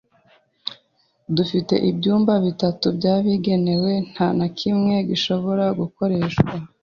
Dufite ibyumba bitatu byabigenewe, nta na kimwe gishobora gukoreshwa.